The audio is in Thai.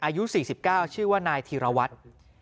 อายุ๔๙ชื่อว่านายธีรวัตร